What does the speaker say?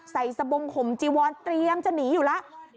ใส่สบงห่มจีวอนเตรียมจะหนีอยู่แล้ว